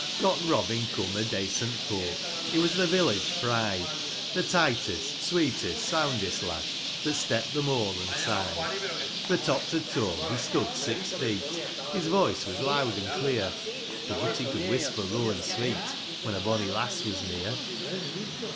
"" I. OCK Robin coom o' daicent folk ; He was the village pride, — The tightest, sweetest, soundest lad That stept the moorlan' side : Fro' top to toe he stood six feet : His voice was loud and clear ; But he could whisper low an' sweet When a bonny lass was near.